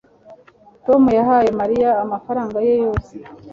Tom yahaye Mariya amafaranga ye yose